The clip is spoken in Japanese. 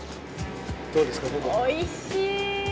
おいしい！